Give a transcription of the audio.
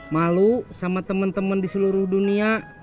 malu sama temen temen diseluruh dunia